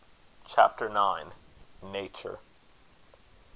CHAPTER IX. NATURE.